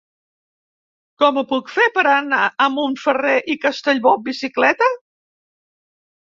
Com ho puc fer per anar a Montferrer i Castellbò amb bicicleta?